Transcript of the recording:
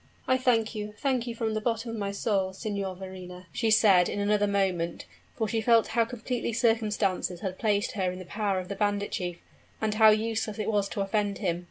"I thank you thank you from the bottom of my soul, Signor Verrina," she said in another moment; for she felt how completely circumstances had placed her in the power of the bandit chief, and how useless it was to offend him.